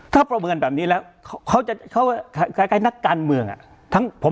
ถ้าประเมินแบบนี้แล้วเขาจะคล้ายนักการเมือง